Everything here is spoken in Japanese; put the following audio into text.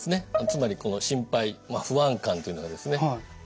つまりこの心配不安感というのがですね